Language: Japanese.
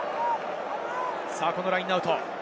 このラインアウトです。